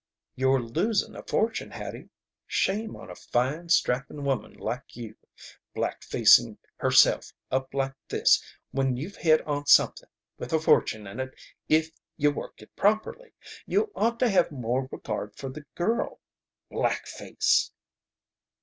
"You're losing a fortune, Hattie. Shame on a fine, strapping woman like you, black facing herself up like this when you've hit on something with a fortune in it if you work it properly. You ought to have more regard for the girl. Black face!"